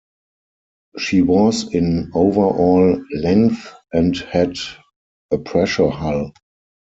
She was in overall length and had a pressure hull.